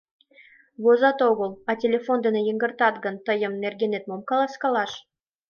— Возат огыл, а телефон дене йыҥгыртат гын, тыйын нергенет мом каласкалаш?